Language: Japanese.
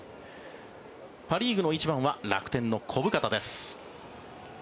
パ・リーグの１番は楽天の小深田です。